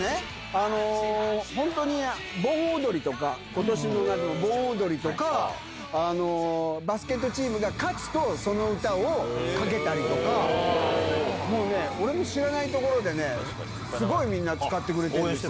本当に盆踊りとか、ことしの盆踊りとか、バスケットチームが勝つと、その歌をかけたりとか、もうね、俺の知らないところでね、すごいみんな使ってくれてるんですよ。